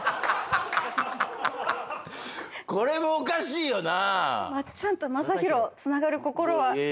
これもおかしいよな。